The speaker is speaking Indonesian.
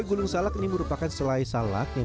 gulung salak ini merupakan selai salak yang